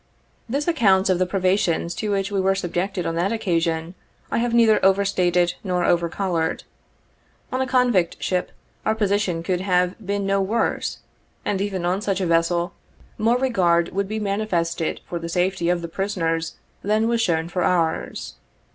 This account of the privations to which we were subjected on that occasion, I have neither over stated nor over colored. On a convict ship our position could have been no worse, and even on such a vessel, more regard would be manifested for the safety of the prisoners than was shown for ours.